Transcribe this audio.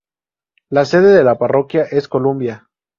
La sede de la parroquia es Columbia.